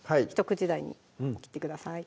１口大に切ってください